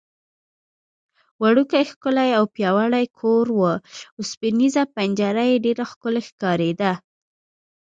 وړوکی، ښکلی او پیاوړی کور و، اوسپنېزه پنجره یې ډېره ښکلې ښکارېده.